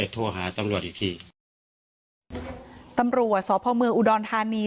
ตำรัวสภอมืออุดรทานี